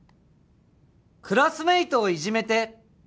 「クラスメイトをイジめて」